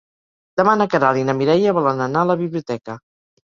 Demà na Queralt i na Mireia volen anar a la biblioteca.